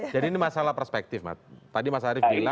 jadi ini masalah perspektif tadi mas arief bilang